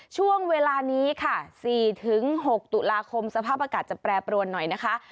ช่วงเวลานี้ค่ะ๔๖ตุลาคมสภาพอากาศจะแปรปรวนหน่อยนะคะ